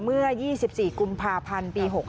เมื่อ๒๔กุมภาพันธ์ปี๖๕